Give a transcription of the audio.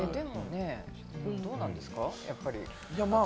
どうなんですか？